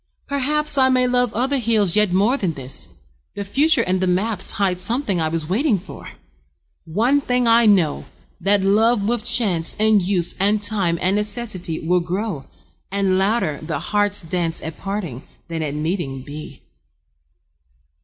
Perhaps I may love other hills yet more Than this: the future and the maps Hide something I was waiting for. One thing I know, that love with chance And use and time and necessity Will grow, and louder the heart's dance At parting than at meeting be.